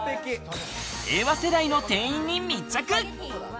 令和世代の店員に密着。